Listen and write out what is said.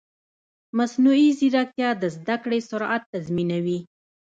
مصنوعي ځیرکتیا د زده کړې سرعت تنظیموي.